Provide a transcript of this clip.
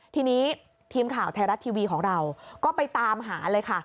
ทีนี้ทีมข่าวไทยรัฐทีวีของเราก็ไปตามหาเลยค่ะ